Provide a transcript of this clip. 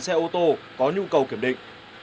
xe ô tô có nhu cầu kiểm định